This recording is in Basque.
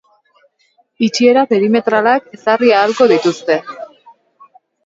Itxiera perimetralak ezarri ahalko dituzte.